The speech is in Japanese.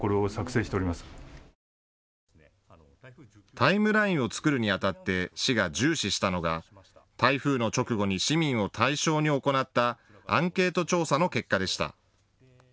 タイムラインを作るにあたって市が重視したのが台風の直後に市民を対象に行ったアンケート調査の結果でした。